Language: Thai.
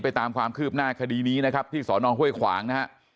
ตามความคืบหน้าคดีนี้นะครับที่สอนองห้วยขวางนะฮะ